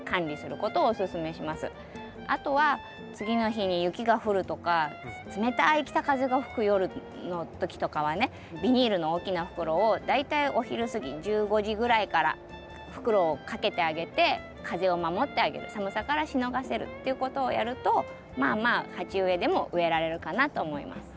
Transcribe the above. あとは次の日に雪が降るとか冷たい北風が吹く夜の時とかはねビニールの大きな袋を大体お昼過ぎ１５時ぐらいから袋をかけてあげて風を守ってあげる寒さからしのがせるっていうことをやるとまあまあ鉢植えでも植えられるかなと思います。